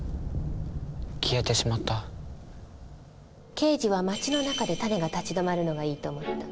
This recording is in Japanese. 圭次は町の中でタネが立ち止まるのがいいと思った。